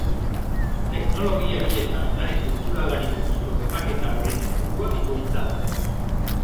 Teknologiari eta ondare kulturalari buruzko topaketa horien helburua bikoitza da.